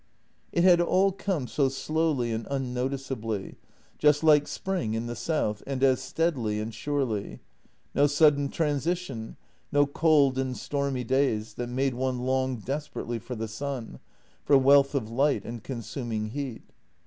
It had all come so slowly and unnoticeably — just like spring in the south — and as steadily and surely. No sudden transi tion, no cold and stormy days that made one long desperately for the sun, for wealth of light and consuming heat.